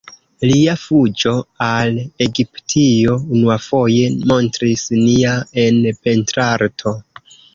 Lia "Fuĝo al Egiptio" unuafoje montris nia en pentrarto.